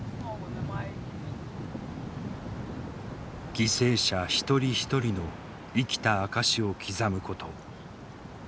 犠牲者一人一人の生きた証しを刻むこと。